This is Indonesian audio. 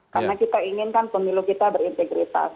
karena kita inginkan pemilu kita berintegritas